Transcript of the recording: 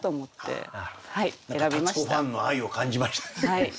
立子ファンの愛を感じました。